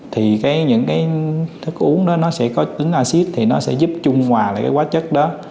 thì những cái thức uống đó nó sẽ có tính acid thì nó sẽ giúp chung hòa lại cái quá chất đó